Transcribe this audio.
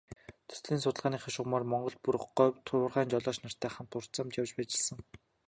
Төслийн судалгааныхаа шугамаар Монголд, бүр говьд уурхайн жолооч нартай хамт урт замд явж ажилласан.